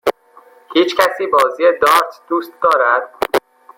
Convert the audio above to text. هیچکسی بازی دارت دوست دارد؟